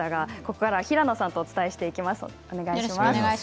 ここからは平野さんとお伝えしていきます。